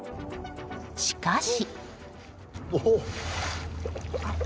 しかし。